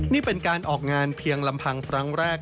นี่เป็นการออกงานเพียงลำพังครั้งแรก